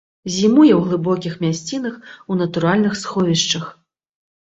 Зімуе ў глыбокіх мясцінах у натуральных сховішчах.